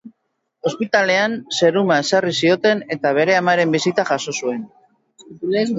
Ospitalean seruma ezarri zioten eta bere amaren bisita jaso zuen.